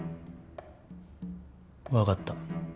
分かった。